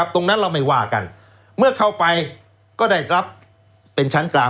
ตรงนั้นเราไม่ว่ากันเมื่อเข้าไปก็ได้รับเป็นชั้นกลาง